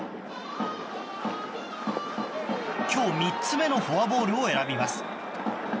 今日３つ目のフォアボールを選びます。